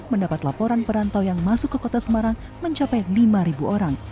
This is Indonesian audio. mendapat laporan perantau yang masuk ke kota semarang mencapai lima orang